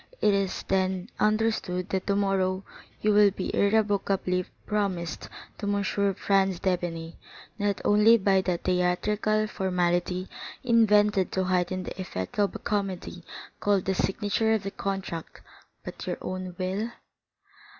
It is then understood that tomorrow you will be irrevocably promised to M. Franz d'Épinay, not only by that theatrical formality invented to heighten the effect of a comedy called the signature of the contract, but your own will?"